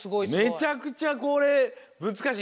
めちゃくちゃこれむずかしい。